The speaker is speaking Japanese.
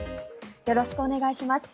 よろしくお願いします。